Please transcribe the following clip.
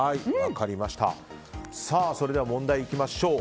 それでは問題いきましょう。